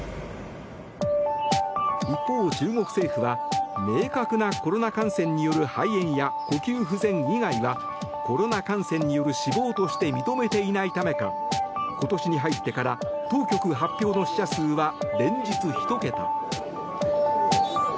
一方、中国政府は明確なコロナ感染による肺炎や呼吸不全以外はコロナ感染による死亡として認めていないためか今年に入ってから当局発表の死者数は連日１桁。